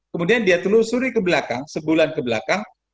kemudian dia telusuri ke belakang sebulan ke belakang